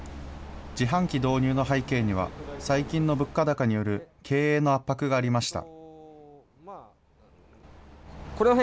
自販機導入の背景には、最近の物価高による経営の圧迫がありました。